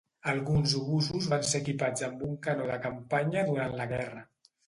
Alguns obusos van ser equipats amb un canó de campanya durant la guerra.